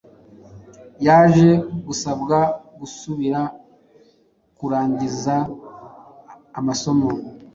yaje gusabwa gusubira kurangiza amasomo